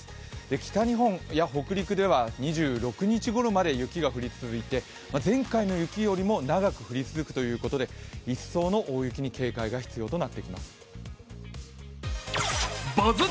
北日本や北陸では、２６日ごろまで雪が降り続いて前回の雪よりも長く降り続くということで、一層の大雪に警戒が必要となってきます。